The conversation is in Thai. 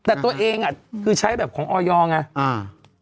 แต่ตัวเองอ่ะคือใช้แบบของออยอร์ไงอ่า